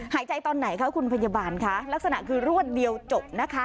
หายใจตอนไหนคะคุณพยาบาลคะลักษณะคือรวดเดียวจบนะคะ